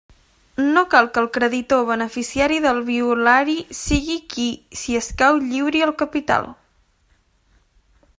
No cal que el creditor o beneficiari del violari sigui qui, si escau, lliuri el capital.